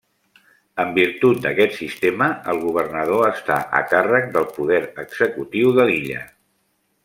En virtut d'aquest sistema, el governador està a càrrec del poder executiu de l'illa.